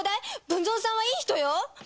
文三さんはいい人よ。